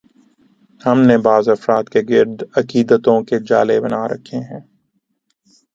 ہم نے بعض افراد کے گرد عقیدتوں کے جالے بن رکھے ہیں۔